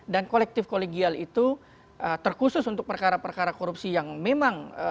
dan kolektif kolegial itu terkhusus untuk perkara perkara korupsi yang memang itu berbeda